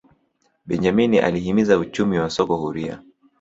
benjamini alihimiza uchumi wa soko huria